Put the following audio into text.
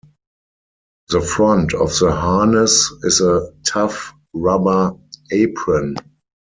The front of the harness is a tough rubber "apron".